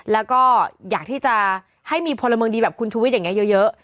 แล้วก็อยากที่จะให้มีพลเมืองดีแบบคุณชูวิทย์อย่างนี้เยอะ